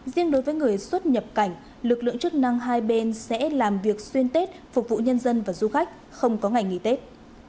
riêng đối với người xuất nhập cảnh lực lượng chức năng hai bên sẽ làm việc xuyên tết phục vụ nhân dân và du khách không có ngày nghỉ tết